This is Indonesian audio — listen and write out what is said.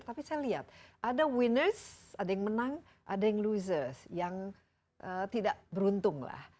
tapi saya lihat ada winners ada yang menang ada yang losers yang tidak beruntung lah